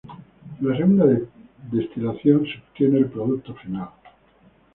En la segunda destilación, se obtiene el producto final.